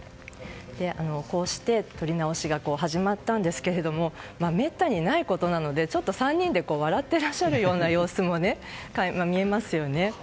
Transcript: こうして、撮り直しが始まったんですけれどもめったにないことなのでちょっと、３人で笑ってらっしゃるような様子も垣間見えますよね。